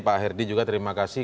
pak herdi juga terima kasih